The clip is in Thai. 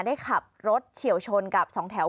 ได้ขับรถเฉียวชนกับสองแถว